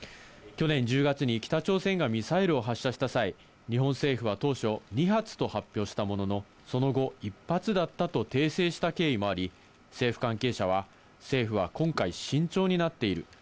去年１０月に北朝鮮がミサイルを発射した際、日本政府は当初、２発と発表したものの、その後、１発だったと訂正した経緯もあり、政府関係者は、政府は今回、慎重になっている。